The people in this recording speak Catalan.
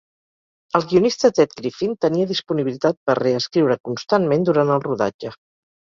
El guionista Ted Griffin tenia disponibilitat per "reescriure constantment" durant el rodatge.